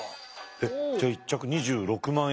えっじゃあ１着２６万円。